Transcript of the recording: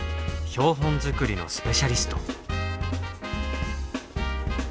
標本作りのスペシャリスト。